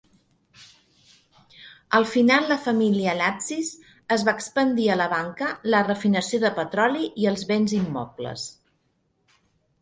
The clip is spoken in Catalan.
Al final la família Latsis es va expandir a la banca, la refinació de petroli i els béns immobles.